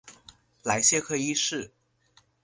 莱谢克一世。